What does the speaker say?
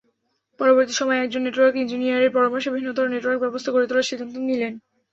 পরবর্তী সময়ে একজন নেটওয়ার্ক ইঞ্জিনিয়ারের পরামর্শে ভিন্নতর নেটওয়ার্কব্যবস্থা গড়ে তোলার সিদ্ধান্ত নিলেন।